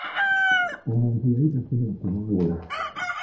Omuntu yali tasobola kubaawula.